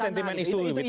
itu sentimen isu gitu ya